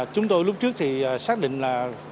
chúng tôi lúc trước thì xác định là